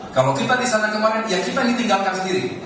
kalau kita di sana kemarin ya kita ditinggalkan sendiri